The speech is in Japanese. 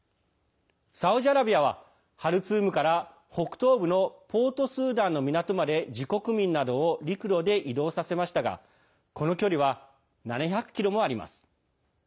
サウジアラビアはハルツームから北東部のポートスーダンの港まで自国民などを陸路で移動させましたがこの距離は７００ｋｍもあります。